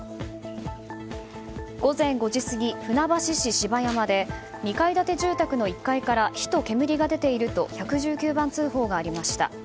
午前５時過ぎ船橋市芝山で２階建て住宅の１階から火と煙が出ていると１１９番通報がありました。